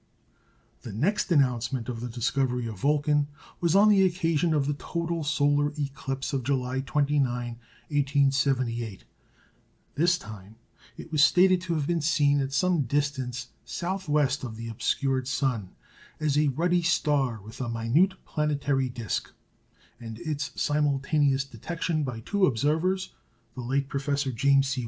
The next announcement of the discovery of "Vulcan" was on the occasion of the total solar eclipse of July 29, 1878. This time it was stated to have been seen at some distance south west of the obscured sun, as a ruddy star with a minute planetary disc; and its simultaneous detection by two observers the late Professor James C.